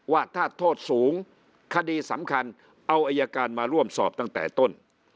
ว่าถ้าโทษสูงคดีสำคัญเอาอายการมาร่วมสอบตั้งแต่ต้น